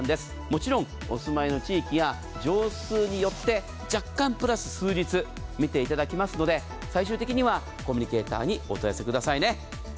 もちろんお住まいの地域や畳数によって若干、プラス数日見ていただきますので最終的にはコミュニケーターにお問い合わせくださいね。